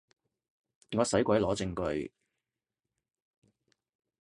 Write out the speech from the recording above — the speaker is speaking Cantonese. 我使鬼攞證據